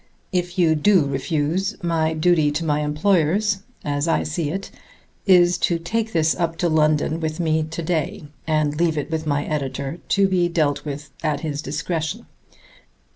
If you do refuse, my duty to my employers, as I see it, is to take this up to London with me to day and leave it with my editor to be dealt with at his discretion.